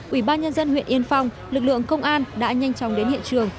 ủy ban nhân dân huyện yên phong lực lượng công an đã nhanh chóng đến hiện trường